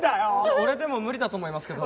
俺でも無理だと思いますけど。